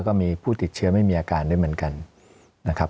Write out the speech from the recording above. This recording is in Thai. ก็มีผู้ติดเชื้อไม่มีอาการด้วยเหมือนกันนะครับ